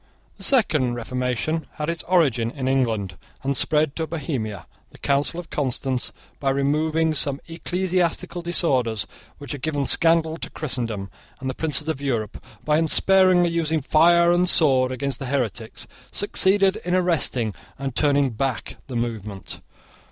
The second reformation had its origin in England, and spread to Bohemia. The Council of Constance, by removing some ecclesiastical disorders which had given scandal to Christendom, and the princes of Europe, by unsparingly using fire and sword against the heretics, succeeded in arresting and turning back the movement.